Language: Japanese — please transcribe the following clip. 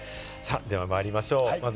では、まいりましょう。